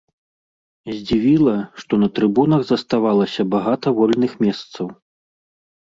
Здзівіла, што на трыбунах заставалася багата вольных месцаў.